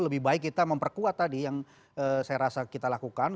lebih baik kita memperkuat tadi yang saya rasa kita lakukan